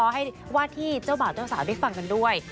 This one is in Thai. ให้ว่าที่เจ้าบ่าวเจ้าสาวได้ฟังกันด้วย